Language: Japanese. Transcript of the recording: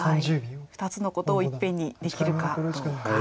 ２つのことをいっぺんにできるかどうか。